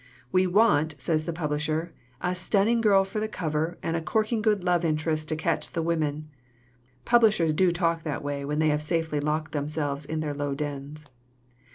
"'We want/ says the publisher, 'a stunning girl for the cover and a corking good love interest to catch the women.' (Publishers do talk that way when they have safely locked themselves in their low dens.)